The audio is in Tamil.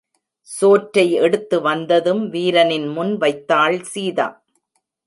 சோற்றை எடுத்து வந்ததும், வீரனின் முன் வைத்தாள் சீதா.